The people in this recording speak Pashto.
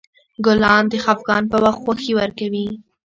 ګلان د خفګان په وخت خوښي ورکوي.